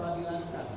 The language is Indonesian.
ada yang dikait kaitkan